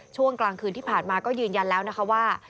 ช่วงกลางคืนที่ผ่านมาก็ยืนยันแล้วนะคะว่า